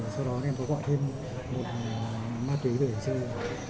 sau đó em có gọi thêm một ma túy để chơi